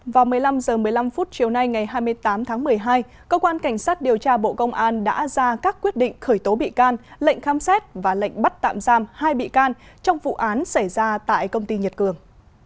vào một mươi năm h một mươi năm chiều nay ngày hai mươi tám tháng một mươi hai cơ quan cảnh sát điều tra bộ công an đã ra các quyết định khởi tố bị can lệnh khám xét và lệnh bắt tạm giam hai bị can trong vụ án xảy ra tại công ty nhật cường